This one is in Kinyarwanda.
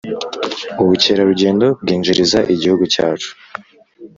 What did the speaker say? ubukerarugendo bwinjiriza igihugu cyacu